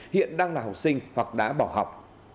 hiện đang là học sinh hoặc đã bỏ học